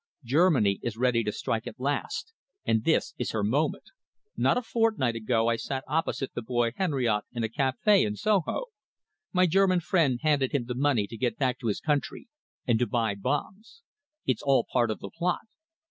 Germany is ready to strike at last, and this is her moment. Not a fortnight ago I sat opposite the boy Henriote in a café in Soho. My German friend handed him the money to get back to his country and to buy bombs. It's all part of the plot.